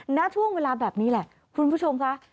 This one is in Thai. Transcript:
ณช่วงเวลาแบบนี้แหละคุณผู้ชมค่ะ